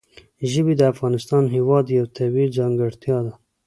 ژبې د افغانستان هېواد یوه طبیعي ځانګړتیا ده.